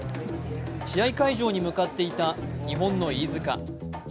試合会場に向かっていた日本の飯塚。